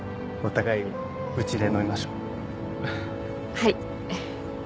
はい。